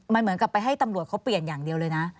มันเหมือนกับไปให้ตำรวจเขาเปลี่ยนอย่างเดียวเลยนะ